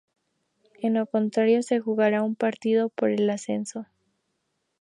En lo contrario, se jugará un partido por el ascenso.